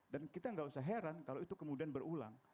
dan kita enggak usah heran kalau itu kemudian berulang